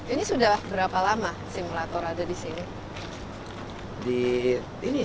ini sudah berapa lama simulator ada di sini